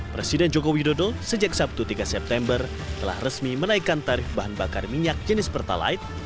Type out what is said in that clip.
presiden joko widodo sejak sabtu tiga september telah resmi menaikkan tarif bahan bakar minyak jenis pertalite